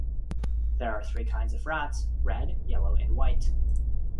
There are three kinds of rats: red, yellow, and white.